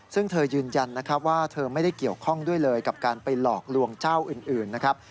ซึ่งเธอยืนยันนะครับว่าเธอไม่ได้เกี่ยวข้องด้วยเลยกับการไปหลอกลวงเจ้าอื่นนะครับ